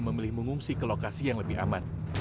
memilih mengungsi ke lokasi yang lebih aman